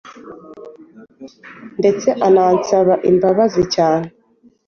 ndetse anansaba imbabazi cyane